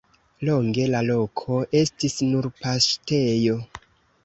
Longe la loko estis nur paŝtejo.